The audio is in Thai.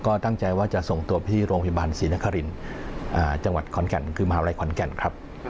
ก็ตั้งใจว่าจะส่งตัวพี่โรงพยาบาลศรีนครินจังหวัดขอนแก่นคือมหาวิทยาลัยขอนแก่นครับ